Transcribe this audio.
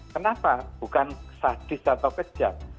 kenapa bukan sadis atau kejam